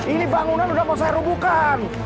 ini bangunan sudah mau saya rubuhkan